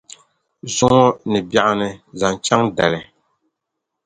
zuŋɔ ni biɛɣuni zaŋ chaŋ dali.